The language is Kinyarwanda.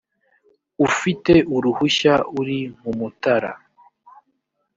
ufite uruhushya uri mumutara